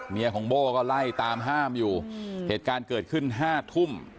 ของโบ้ก็ไล่ตามห้ามอยู่เหตุการณ์เกิดขึ้น๕ทุ่ม